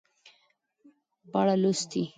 په اړه لوستي